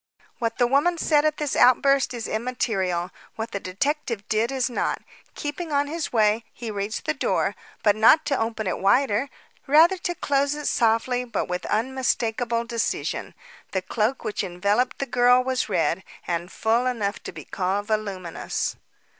What the mother said at this outburst is immaterial. What the detective did is not. Keeping on his way, he reached the door, but not to open it wider; rather to close it softly but with unmistakable decision. The cloak which enveloped the girl was red, and full enough to be called voluminous.